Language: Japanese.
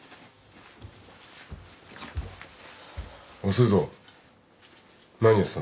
遅いぞ何やってたんだ。